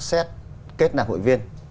xét kết nạp hội viên